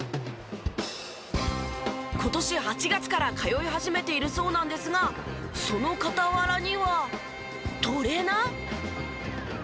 今年８月から通い始めているそうなんですがその傍らにはトレーナー？